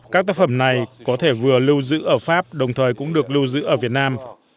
các tác phẩm này có thể vừa lưu giữ ở pháp đồng thời cũng được lưu giữ ở việt nam